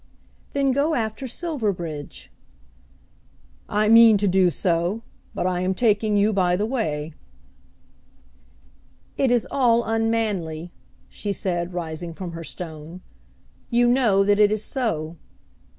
"Then go after Silverbridge." "I mean to do so; but I am taking you by the way." "It is all unmanly," she said, rising from her stone; "you know that it is so.